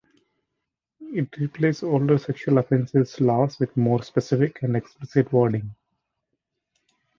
It replaced older sexual offences laws with more specific and explicit wording.